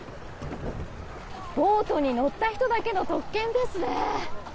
ボートに乗った人だけの特権ですね。